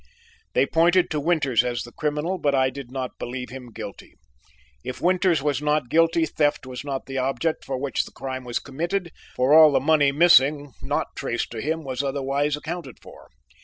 "They pointed to Winters as the criminal, but I did not believe him guilty. If Winters was not guilty, theft was not the object for which the crime was committed, for all the money missing not traced to him was otherwise accounted for.